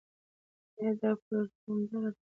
ایا دا پروژه دوامداره ده؟